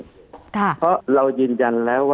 คุณหมอประเมินสถานการณ์บรรยากาศนอกสภาหน่อยได้ไหมคะ